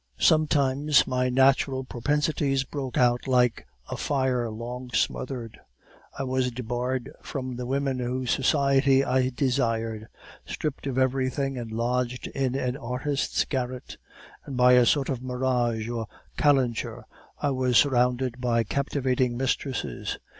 "Sometimes my natural propensities broke out like a fire long smothered. I was debarred from the women whose society I desired, stripped of everything and lodged in an artist's garret, and by a sort of mirage or calenture I was surrounded by captivating mistresses.